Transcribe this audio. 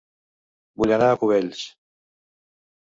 Vull anar a Cubells